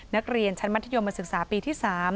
นักเรียนชั้นมัธยมศึกษาปีที่๓